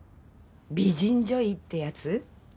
美人女医ってやつ？